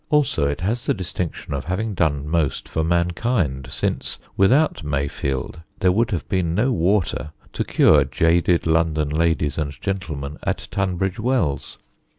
Also it has the distinction of having done most for mankind, since without Mayfield there would have been no water to cure jaded London ladies and gentlemen at Tunbridge Wells.